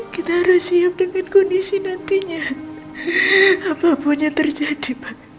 kita harus siap dengan kondisi nantinya apapunnya terjadi